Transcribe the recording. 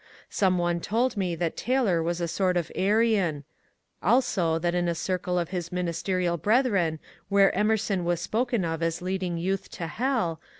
Some one told me that Taylor was a sort of Arian ; also that in a circle of his ministerial brethren where Emerson was spoken of as leading youth to hell.